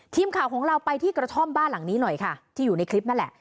ทีมข่าวของเราไปที่กระท่อมบ้านหลังนี้หน่อยค่ะที่อยู่ในคลิปนั่นแหละ